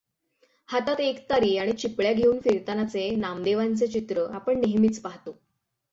हातात एकतारी आणि चिपळ्या घेऊन फिरतानाचे नामदेवांचे चित्र आपण नेहमीच पाहतो.